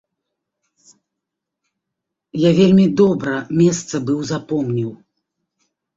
Я вельмі добра месца быў запомніў.